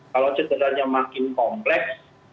kalau cederanya makin kompleks